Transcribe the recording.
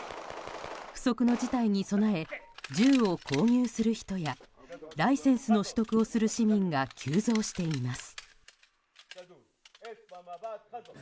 不測の事態に備え銃を購入する人やライセンスの取得をする市民が急増しています。